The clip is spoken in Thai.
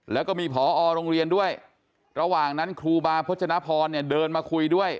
แล้วก็มีผอโรงเรียนด้วยระหว่างนั้นครูบาพจนพรเนี่ยเดินมาคุยด้วย